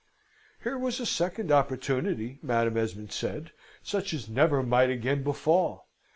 "Here was a second opportunity, Madam Esmond said, such as never might again befall.